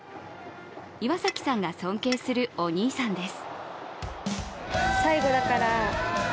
岩崎さんが尊敬するお兄さんです。